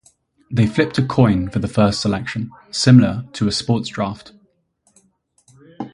They flipped a coin for the first selection, similar to a sports draft.